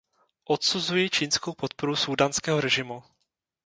Odsuzuji čínskou podporu súdánského režimu.